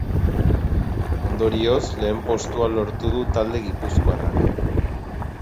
Ondorioz, lehen postua lortu du talde gipuzkoarrak.